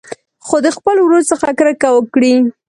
خو د خپل ورور څخه کرکه وکړي.